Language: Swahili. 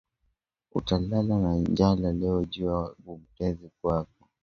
Uta lala na njala leo juya butembezi bwako